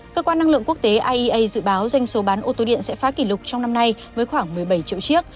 cơ quan năng lượng quốc tế iea dự báo doanh số bán ô tô điện sẽ phá kỷ lục trong năm nay với khoảng một mươi bảy triệu chiếc